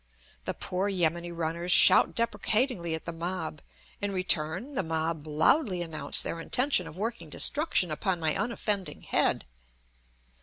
The poor yameni runners shout deprecatingly at the mob; in return the mob loudly announce their intention of working destruction upon my unoffending head.